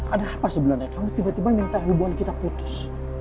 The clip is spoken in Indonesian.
ada apa sebenarnya kamu tiba tiba minta hubungan kita putus